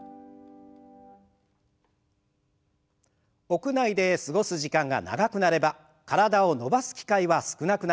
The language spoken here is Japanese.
屋内で過ごす時間が長くなれば体を伸ばす機会は少なくなります。